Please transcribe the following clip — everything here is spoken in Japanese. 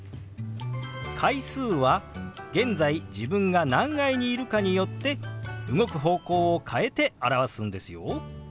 階数は現在自分が何階にいるかによって動く方向を変えて表すんですよ。